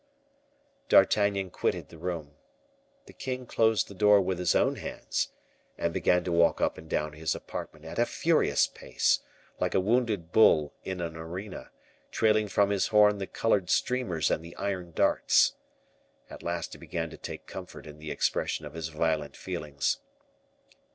D'Artagnan quitted the room. The king closed the door with his own hands, and began to walk up and down his apartment at a furious pace, like a wounded bull in an arena, trailing from his horn the colored streamers and the iron darts. At last he began to take comfort in the expression of his violent feelings.